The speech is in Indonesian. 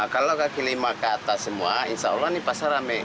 kalau kaki lima ke atas semua insya allah ini pasar rame